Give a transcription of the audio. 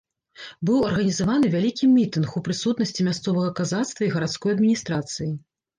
Быў арганізаваны вялікі мітынг, у прысутнасці мясцовага казацтва і гарадской адміністрацыі.